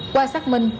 qua xác minh